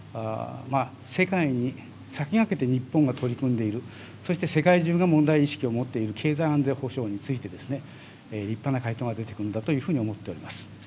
世界に先駆けて日本が取り組んでいる、そして世界中が問題意識を持っている経済安全保障について、立派な回答が出てくるんだというふうに思っております。